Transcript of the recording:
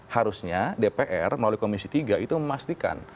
harusnya dpr melalui komisi tiga itu memastikan